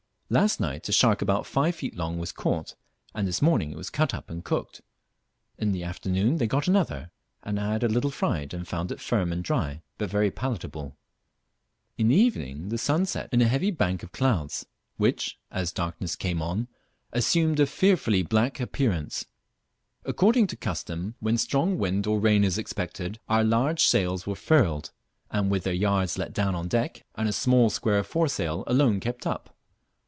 Last night a shark about five feet long was caught, and this morning it was cut up and cooked. In the afternoon they got another, and I had a little fried, and found it firm and dry, but very palatable. In the evening the sun set in a heavy bank of clouds, which, as darkness came on, assumed a fearfully black appearance. According to custom, when strong wind or rain is expected, our large sails were furled, and with their yards let down on deck, and a small square foresail alone kept up.